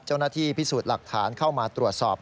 เจ้าหน้าที่พิสูจน์หลักฐานเข้ามาตรวจสอบ